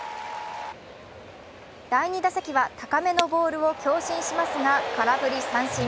第２打席は高めのボールを強振しますが空振り三振。